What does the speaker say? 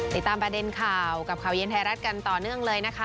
ติดตามประเด็นข่าวกับข่าวเย็นไทยรัฐกันต่อเนื่องเลยนะคะ